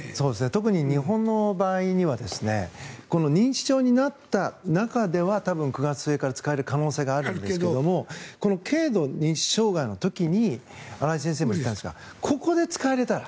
特に日本の場合にはこの認知症になった中では多分、９月末から使える可能性があるんですが軽度認知障害の時に新井先生も言っていたんですがここで使えたら。